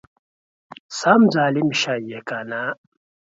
سم ظالم شې يې کنه!